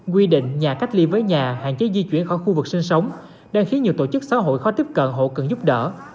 quy định nhà cách ly với nhà hạn chế di chuyển khỏi khu vực sinh sống đang khiến nhiều tổ chức xã hội khó tiếp cận hộ cần giúp đỡ